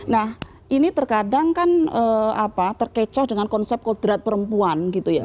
nah ini terkadang kan terkecoh dengan konsep kodrat perempuan gitu ya